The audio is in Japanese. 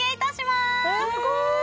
すごーい！